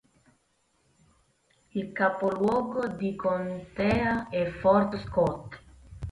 Il capoluogo di contea è Fort Scott.